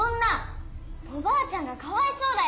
おばあちゃんがかわいそうだよ！